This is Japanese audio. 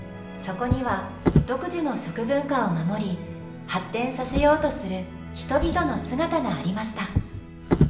そこには独自の食文化を守り発展させようとする人々の姿がありました。